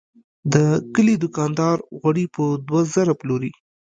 د کلي دوکاندار غوړي په دوه زره پلوري.